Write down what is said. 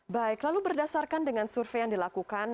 baik lalu berdasarkan dengan survei yang dilakukan